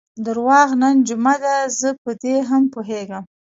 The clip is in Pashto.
درواغ، نن جمعه ده، زه په دې هم پوهېږم.